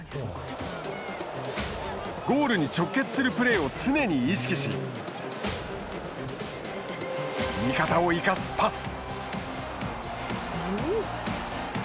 ゴールに直結するプレーを常に意識し味方を生かすパス。